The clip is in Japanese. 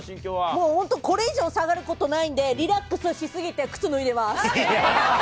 もう本当、これ以上、下がることないんで、リラックスしすぎて靴脱いでます。